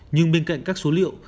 nhưng bên cạnh các số liệu